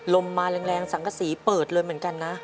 ลมมาแรงสังกษีเปิดเลยเหมือนกันนะ